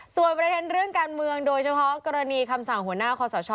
ส่วนประเด็นเรื่องการเมืองโดยเฉพาะกรณีคำสั่งหัวหน้าคอสช